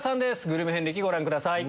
グルメ遍歴ご覧ください。